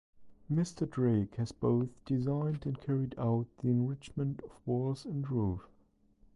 Mr. Drake has both designed and carried out the enrichment of walls and roof.